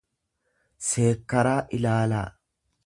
seekkeraa ilaalaa.